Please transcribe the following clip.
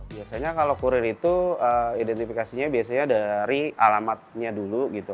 biasanya kalau kurir itu identifikasinya biasanya dari alamatnya dulu gitu